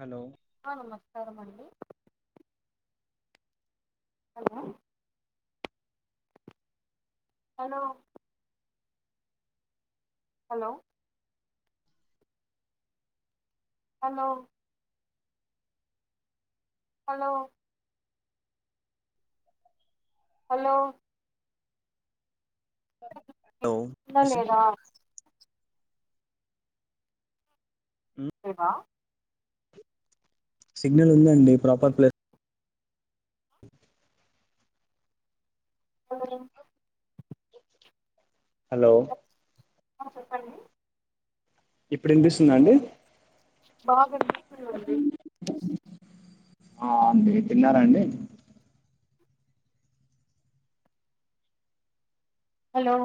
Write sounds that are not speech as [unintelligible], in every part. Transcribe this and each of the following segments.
Hello ఆ నమస్కారం అండి hello hello hello hello hello hello hello ఇనిపిస్తుందా లేదా ఎబా సిగ్నల్ ఉందండి ప్రాపర్ ప్లే హలో హలో ఆ చెప్పండి ఇప్పుడు ఇనిపిస్తుందా అండి బాగా ఇనిపిస్తుందండి ఆ అండి తిన్నారండి హలో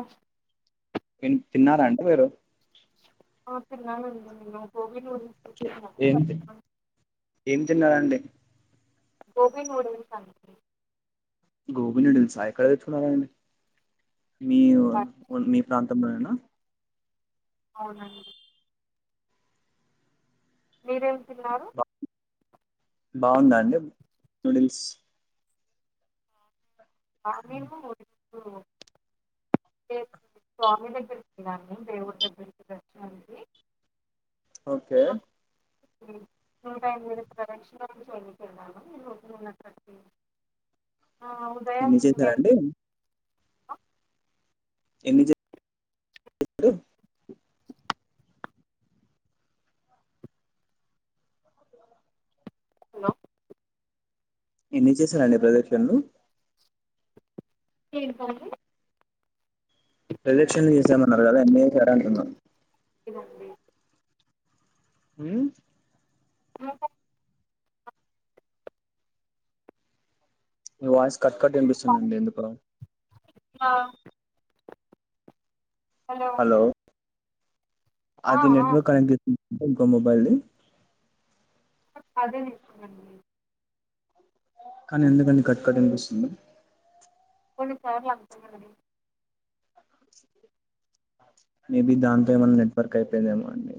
తిన్ తిన్నారాంటే మీరు ఆ తిన్నామండి గోబీ నూడుల్స్ ఏం తి ఏం తిన్నారండి గోబీ నూడుల్స్ అంట్రి గోబీ నూడుల్సా ఎక్కడ తెచ్చుకున్నారండి మీ మీ ప్రాంతంలోనేనా అవునండి మీరేం తిన్నారు బాగుందా అండి నూడిల్స్ ఆ నేను జస్టు నేను స్వామి దగ్గరికిి ఎళ్లాను దేవుడి దగ్గరికి దర్శననికి ఓకే నూట ఎనిమిది ప్రదక్షణాలు [unintelligible] ఆ అవు ఎన్ని చేత్తరండి ఎన్ని చె హలో ఎన్ని చేశారండి ప్రదక్షిణాలు ఏంటి [unintelligible] ప్రదక్షిణలు చేశానన్నారు కదా ఎన్ని చేశారు అంటున్న ఇదొండి ఉమ్మ్ ఆ ప మీ వాయిస్ కట్ కట్ ఇనిపిస్తుందండి ఎందుకో ఆ హలో ఆ అది ఆ నెట్వర్క్ కనెక్ట్ చే [unintelligible] ఇంకో మొబైల్‌ ది అదే చేశానండి కానీ ఎందుకండీ కట్ కట్ ఇనిపిస్తుంది [unintelligible] మేబీ దాంతో ఏమైన్నా నెట్వర్క్ అయిపోయిందేమ అండి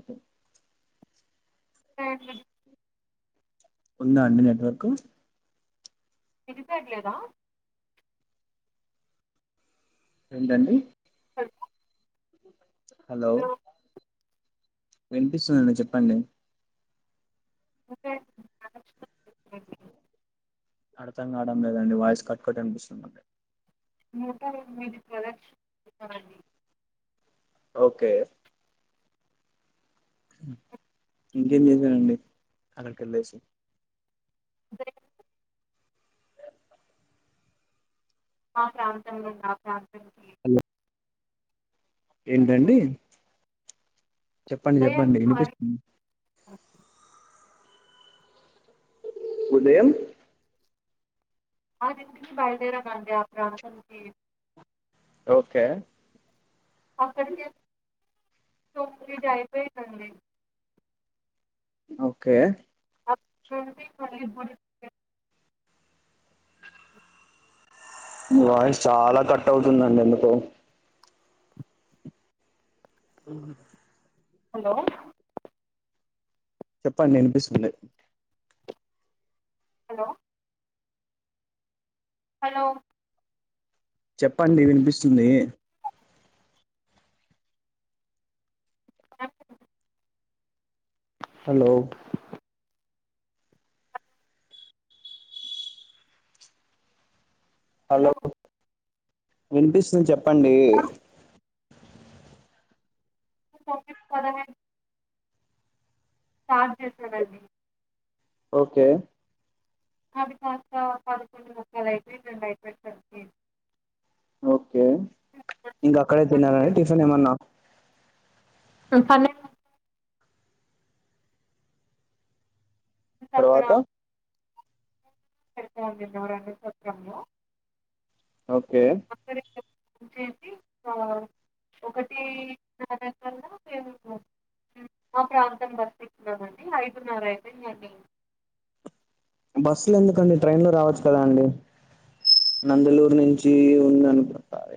ఆ ఉంద అండి నెట్వర్క్ [unintelligible] ఏంటండి హలో వినిపిస్తుందండి చెప్పండి [unintelligible] అర్థం కావడం లేదండి వాయిస్ కట్ కొట్ వినిపిస్తుంది అండి [unintelligible] ఓకే ఇంకేం చేశరండి అక్కడికి వెళ్ళేసి [unintelligible] మా ప్రాంతంలో ఉన్నా ఆ ప్రాంతానికి [unintelligible] ఏంటండి చెప్పండి ఉదయం చెప్పండి వినిపిస్ ఆరి [unintelligible] ఉదయం [unintelligible] బయలుదేరమండి ఆ ప్రాంతానికి ఓకే అక్కడికి [unintelligible] అయిపోయిందండి ఒకే [unintelligible] మి వాయిస్ చాల కట్ అవుతుందండి ఎందుకో హలో చెప్పండి ఇనిపిస్తుంది హలో హలో చెప్పండి వినిపిస్తుంది [unintelligible] హలో హలో వినిపిస్తుంది చెప్పండి [unintelligible] స్టార్ట్ చేశారండి ఓకే అది కాస్త పదకొండు ముక్కలు అయితే [unintelligible] ఓకే ఇంక అక్కడే హ్మ్. తిన్నరండి టిఫిన్ ఏమన్న [unintelligible] అక్కడ తర్వాత [unintelligible] ఒకే అక్కడ పూజ చేసి ఇగ ఒకటి దాంట్లో రెండు మా ప్రాంతం పట్టిచ్చినామండి ఐదున్నర అయిపోయిందండి బస్సుల ఎందుకండి ట్రైన్లు రావచ్చు కదా అండి నందులూరు నుంచి ఉంది అనుకుంటారు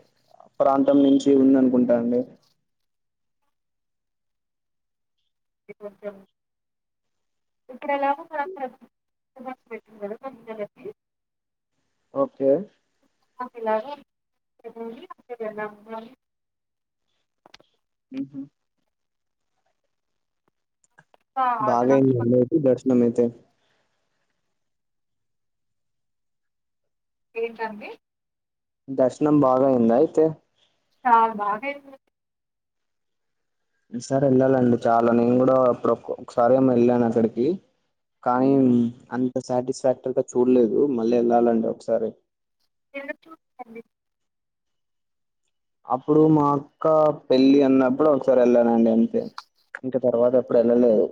ప్రాంతం నుంచి ఉంది అనుకుంటా అండి ఇది కొంచెం ఇక్కడ ఎలాగో ప్రాంతం కొత్త వాచి పెట్టుకున్నాడు ఓకే [unintelligible] ఉ హు బాగా అయింది అదనపు అండి అయితే దర్శనం అయితే ఏంటండి దర్శనం బాగా అయింద అయితే చాలా బాగా అయింది సారి వెళ్ళాలండి చాలా నేను కూడా ఇప్పుడు ఒక్కసారి వెళ్ళాను అక్కడికి కానీ అంత సాటిస్ఫాక్టరీగా చూడలేదు మళ్ళీ వెళ్ళాలండి ఒకసారి చేరొచ్చు అప్పుడు మా అక్క పెళ్ళి అన్నప్పుడు ఒకసారి వెళ్ళానండి అంతే ఇంకా తర్వాత ఏప్పుడు వెళ్ళ లేదు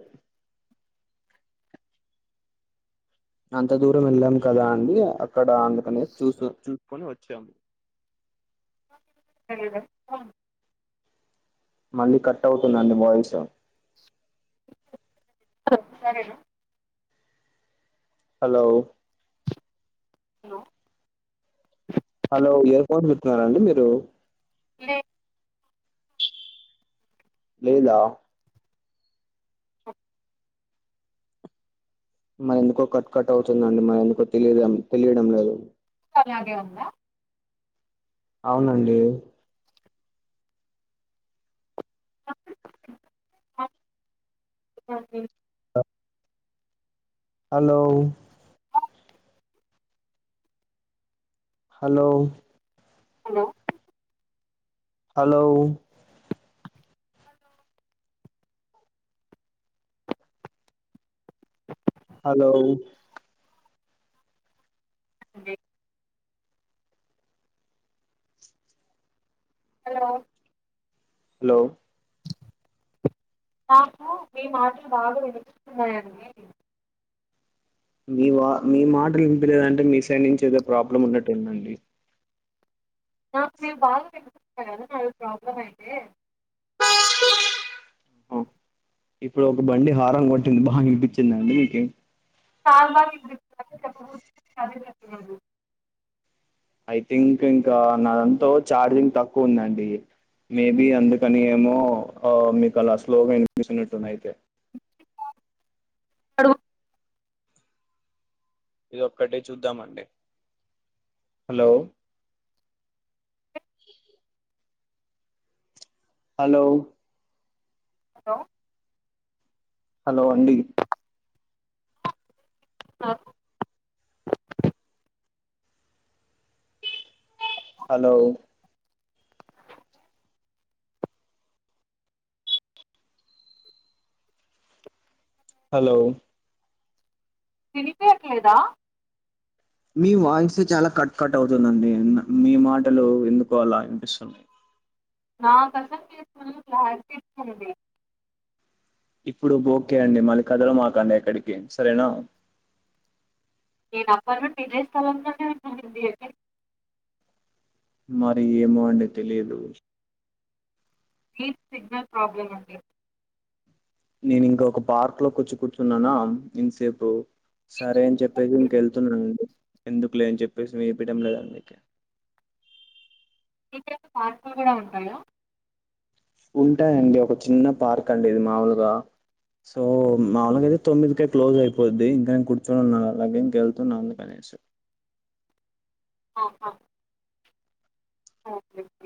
అంత దూరం వెళ్ళాం కదా అండి అక్కడ అందుకనే చూసు చూసుకుని వచ్చాము ఆ మళ్ళీ కట్ అవుతుందండి వాయిస్ సరే hello hello hello earphones పెట్టుకున్నారా అండి మీరు పడే లేదా మరి ఎందుకో కట్ కట్ అవుతుందండి మరి ఎందుకో తెలి తెలియడం లేదు ఇంకా అలాగే ఉందా అవునండి పక్కన చూపిస్తే అలానే ఉంటది అండి hello hello hello hello hello hello అంటే హలో హలో నాకు మీ మాటలు బాగా వినిపిస్తున్నాయండి మీ వా మీ మాటలు తీయలేదంటే మీ సైడ్ నుంచి ఏదో ప్రాబ్లం ఉన్నట్టు ఉందండి నాకు నేను బాగా వినిపిస్తున్నా కదా నాది ప్రాబ్లమ్ అయితే ఇప్పుడు ఒక బండి హారన్ కొట్టింది బాగా అనిపించిందండి మీకేం సాంబార్ నాకే చెప్పబుద్ధి కాలేదు అందుకే చెప్పలేదు ఐ థింక్ ఇంకా నాదాంట్లో ఛార్జింగ్ తక్కువుందండి మేబి అందుకని ఏమో ఆ మీకు అలా స్లోగా వినిపిస్తునట్టుంది అయితే [inaudible] ఇది ఒక్క డే చూద్దామండి హలో హలో హలో హలో అండి ఆ హలో హలో వినిపయట్లేదా మీ వాయిసే చాలా కట్ కట్ అవుతుందండి మీ మాటలు ఎందుకో అలా అనిపిస్తున్నయి నాకు [unintelligible] క్లారిటీ ఉంది ఇప్పుడు ఓకే అండి మళ్ళీ కదలమాకండి ఎక్కడికి సరేనా నేను అప్పటినుండి ఇదే స్థలం లోనే ఉన్నానండి ఎక్కడికి మరి ఏమో అండి తెలీదు మీది సిగ్నల్ ప్రాబ్లమ్ అండి నేను ఇంక ఒక పార్క్లోకొచ్చి కూర్చున్నానా ఇంతసేపు సరే అని చెప్పేసి ఇంకెళ్తున్నానండి ఎందుకులే అని చెప్పేసి మీకు వినిపియ్యడం లేదని మీ ఇంటి దగ్గర పార్కులు కూడా ఉంటాయా ఉంటాయండి ఒక చిన్న పార్క్ అండి ఇది మామూలుగా సో మాముూలుగా అయితే తొమ్మిదికే క్లోజ్ అయిపోద్ది ఇంక నేను కూర్చొనిన్నాను అలాగే ఇంకెళ్తున్నాను అనేసి ఆహ ఓకే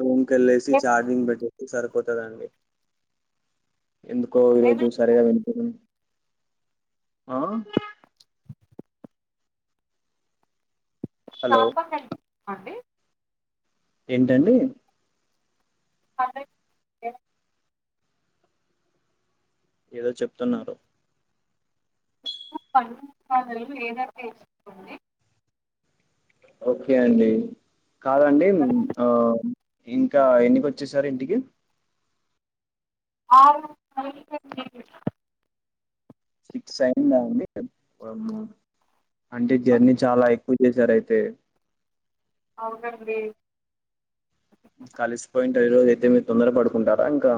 రూమ్ కెళ్ళేసి ఏమేమి ఛార్జింగ్ పెట్టేసి సరిపోతదండి ఎందుకో ఈరోజు ఏమేమి సరిగా వినిపయ్యలేదు ఆ హలో [unintelligible] అండి ఏంటండి అదే ఏదో చెప్తున్నారు [unintelligible] ఏదో తేస్తుంది ఓకే అండి కాదండి సరే ఆ ఇంకా ఎన్నికొచ్చేసారు ఇంటికి ఆ [unintelligible] సిక్స్ అయిందా అండి వామ్మో అంటే జర్నీ చాలా ఎక్కువ చేశారయితే అవునండి ఇంక అలిసిపోయింటారు ఈ రోజు అయితే మీరు తొందర పడుకుంటారా ఇంకా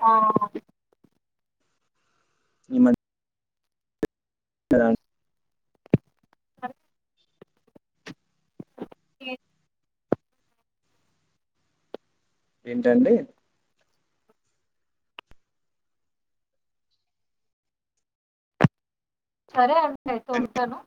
ఆ ఈ మ అ ఏ ఏంటండి సరే అండి అయితే ఉంటాను